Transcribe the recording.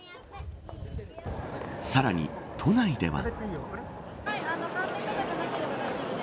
さらに都内では。